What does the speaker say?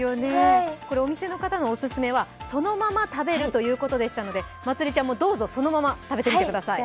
お店の方のオススメはそのまま食べるということでしたのでまつりちゃんも、どうぞそのまま召し上がってください。